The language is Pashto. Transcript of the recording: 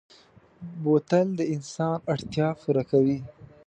بوتل د انسان اړتیا پوره کوي.